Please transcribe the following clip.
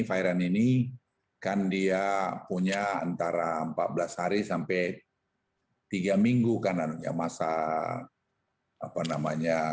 viral ini kan dia punya antara empat belas hari sampai tiga minggu kan ya masa apa namanya